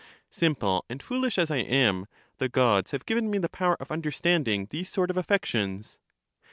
Simple and foolish as I am, the Gods have given me the power of understanding these sort of affections.